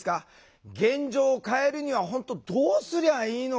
現状を変えるには本当どうすりゃいいのか。